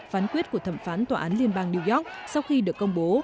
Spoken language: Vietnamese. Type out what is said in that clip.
phán quyết của thẩm phán tòa án liên bang new york sau khi được công bố